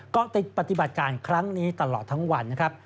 เกาะติดปฏิบัติการครั้งนี้ตลอดทั้งวันนะครับ